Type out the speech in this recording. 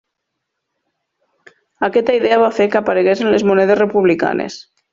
Aquesta idea va fer que aparegués en les monedes republicanes.